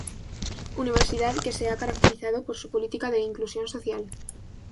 Universidad que se ha caracterizado por su política de inclusión social.